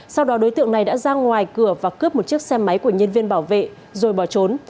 sau đó đối tượng này đã ra ngoài cửa và cướp một chiếc xe máy của nhân viên bảo vệ rồi bỏ trốn